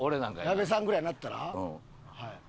矢部さんぐらいになったら？